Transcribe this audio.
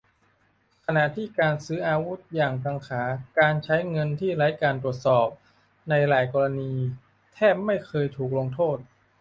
ขณะที่การซื้ออาวุธอย่างกังขา การใช้เงินที่ไร้การตรวจสอบในหลายกรณี แทบไม่เคยถูกลงโทษ